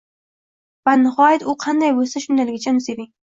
Va nihoyat, u qanday bo‘lsa, shundayligicha uni seving.